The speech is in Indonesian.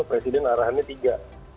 presiden arahannya tiga